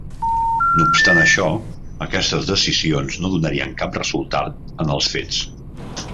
No obstant això, aquestes decisions no donarien cap resultat en els fets.